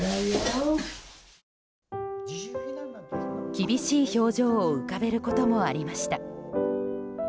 厳しい表情を浮かべることもありました。